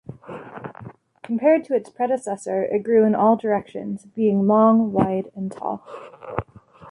Compared to its predecessor it grew in all directions, being long, wide and tall.